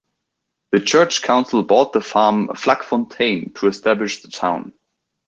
The church counsel bought the farm Vlakfontein to establish the town.